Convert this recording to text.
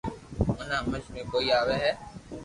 منو ھمج ۾ ڪوئي آوي